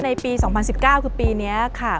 ในปี๒๐๑๙คือปีนี้ค่ะ